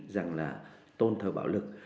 rằng là tôn thờ bạo lực